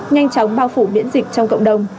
nhanh chóng bao phủ biễn dịch trong cộng đồng